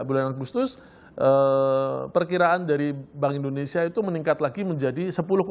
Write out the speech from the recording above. bulan agustus perkiraan dari bank indonesia itu meningkat lagi menjadi sepuluh